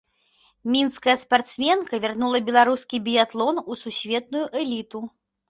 Мінская спартсменка вярнула беларускі біятлон у сусветную эліту.